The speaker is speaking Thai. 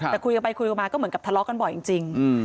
แต่คุยกันไปคุยกันมาก็เหมือนกับทะเลาะกันบ่อยจริง